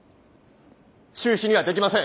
中止にはできません。